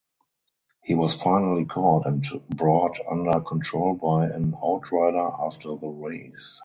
He was finally caught and brought under control by an outrider after the race.